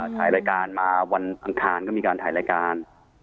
ถ่ายรายการมาวันอังคารก็มีการถ่ายรายการ